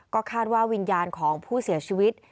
ก็คาดว่าวิญญาณของผู้เสียชีวิต